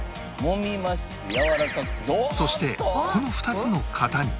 そしてこの２つの型に